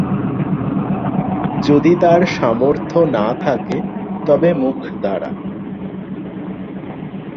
যদি তার সামর্থ্য না থাকে তবে মুখ দ্বারা।